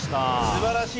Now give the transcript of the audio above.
素晴らしい。